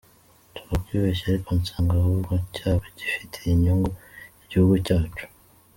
Nshobora kwibeshya ariko nsanga ahubwo cyaba gifitiye inyungu igihugu cyacu.